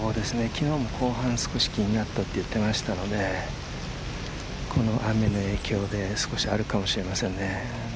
昨日も後半、少し気になったと言っていましたので、この雨の影響で少しあるかもしれませんね。